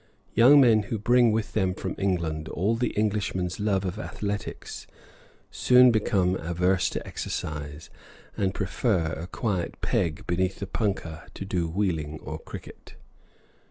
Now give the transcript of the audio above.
Young men who bring with them from England all the Englishman's love of athletics soon become averse to exercise, and prefer a quiet "peg" beneath the punkah to wheeling or cricket.